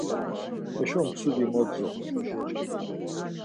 Heşo mtsudi mot zop̌ont.